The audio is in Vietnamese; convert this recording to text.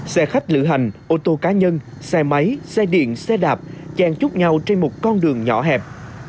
xe khách lữ hành ô tô cá nhân xe máy xe điện xe đạp chèn chúc nhau trên một con đường nhỏ hẹp